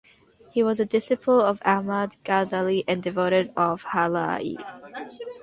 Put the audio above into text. He was a disciple of Ahmad Ghazali and devoted of Hallaj.